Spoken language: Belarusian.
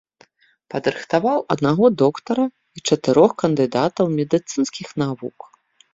Падрыхтаваў аднаго доктара і чатырох кандыдатаў медыцынскіх навук.